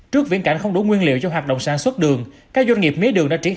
trước viễn cảnh không đủ nguyên liệu cho hoạt động sản xuất đường các doanh nghiệp mía đường đã triển